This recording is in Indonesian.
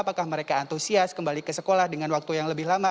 apakah mereka antusias kembali ke sekolah dengan waktu yang lebih lama